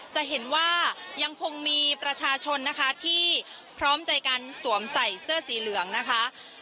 จะเห็นว่ายังคงมีประชาชนนะคะที่พร้อมใจกันสวมใส่เสื้อสีเหลืองนะคะ